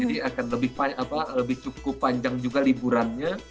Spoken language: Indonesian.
jadi akan lebih cukup panjang juga liburannya